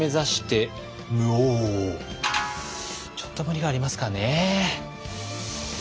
ちょっと無理がありますかね？